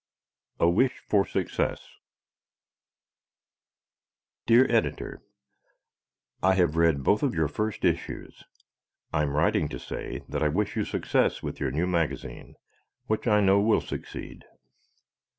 A Wish for Success Dear Editor: I have read both of your first issues. I am writing to say that I wish you success with your new magazine, which I know will succeed.